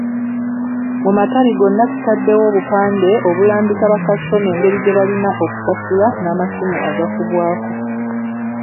Mu matabi gonna tutaddewo obupande obulambika bakasitoma engeri gye balina okusasula n’amasimu agakubwako.